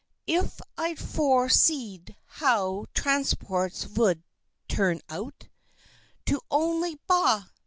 "If I'd fore seed how Transports vould turn out To only Baa!